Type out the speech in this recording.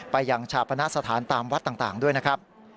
ไปยังชาปณะสถานตามวัดต่างด้วยนะครับ